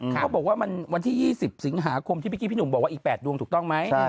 เขาบอกว่ามันวันที่๒๐สิงหาคมที่เมื่อกี้พี่หนุ่มบอกว่าอีก๘ดวงถูกต้องไหม